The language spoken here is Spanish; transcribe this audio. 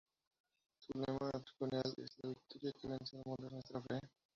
Su lema episcopal es: ""La victoria que vence al mundo es nuestra Fe"".